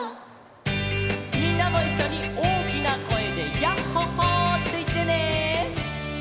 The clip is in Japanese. みんなもいっしょにおおきなこえで「ヤッホ・ホー」っていってね！